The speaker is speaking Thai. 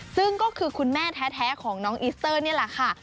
ซึ่งก็คือคุณแม่แท้ของน้องอิสเตอร์นี่แหละค่ะ